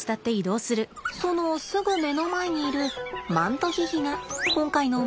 そのすぐ目の前にいるマントヒヒが今回のお目当てだよ。